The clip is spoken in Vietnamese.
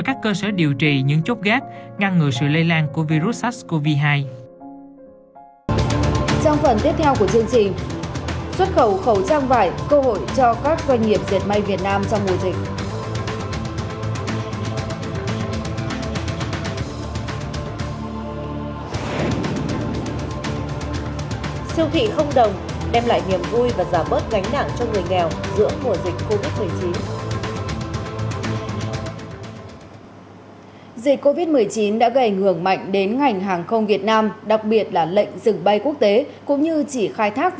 các cơ sở điều trị những chốt gác ngăn ngừa sự lây lan của virus sars cov hai trong phần tiếp theo của